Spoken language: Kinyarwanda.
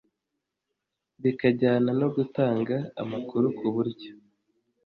bikajyana no gutanga amakuru ku buryo